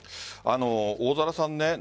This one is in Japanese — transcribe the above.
大空さん